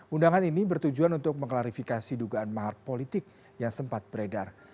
undangan ini bertujuan untuk mengklarifikasi dugaan mahar politik yang sempat beredar